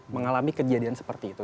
mengalami kejadian seperti itu